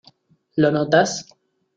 ¿ lo notas?